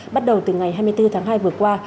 bắt đầu từ ngày hai mươi bốn tháng hai vừa qua